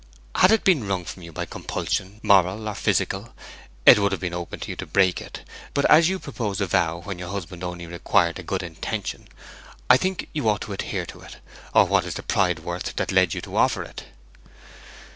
'Had it been wrung from you by compulsion, moral or physical, it would have been open to you to break it. But as you proposed a vow when your husband only required a good intention, I think you ought to adhere to it; or what is the pride worth that led you to offer it?'